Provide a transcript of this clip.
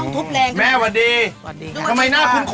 ทำไมหน้าขุ้น